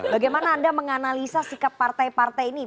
bagaimana anda menganalisa sikap partai partai ini